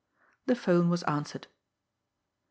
The 'phone was answered. "Mr.